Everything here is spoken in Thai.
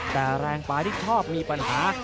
แต่แรงปลายที่ชอบมีปัญหา